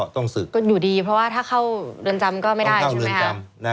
ต้องเข้าเริ่มจำ